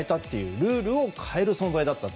ルールを変える存在だったと。